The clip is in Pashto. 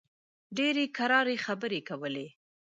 ډېرې کراري خبرې کولې.